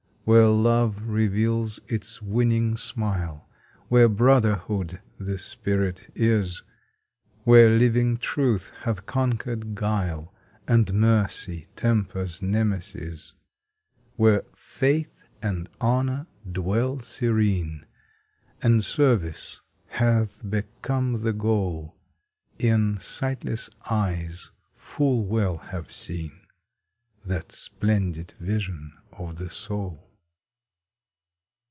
Where love reveals its winning smile, Where Brotherhood the spirit is; Where living Truth hath conquered Guile, And Mercy tempers Nemesis; Where Faith and Honor dwell serene, And Service hath become the goal, E en sightless eyes full well have seen. That splendid vision of the Soul.